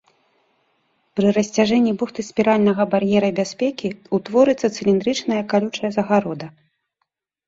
Пры расцяжэнні бухты спіральнага бар'ера бяспекі утворыцца цыліндрычнае калючая загарода.